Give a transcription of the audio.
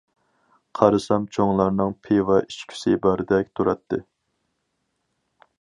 قارىسام چوڭلارنىڭ پىۋا ئىچكۈسى باردەك تۇراتتى.